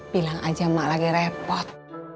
bilang aja mak lagi repot